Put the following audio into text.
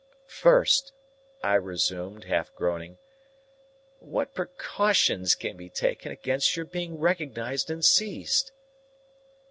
"First," I resumed, half groaning, "what precautions can be taken against your being recognised and seized?"